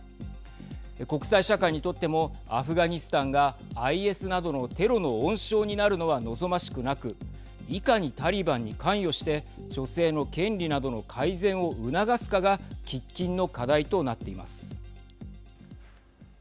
国際社会にとってもアフガニスタンがＩＳなどのテロの温床になるのは望ましくなくいかにタリバンに関与して女性の権利などの改善を促すかが喫緊の課題となっています。